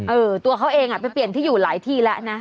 ตัวเขาเองไปเปลี่ยนที่อยู่หลายที่แล้วนะ